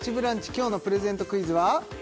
今日のプレゼントクイズは？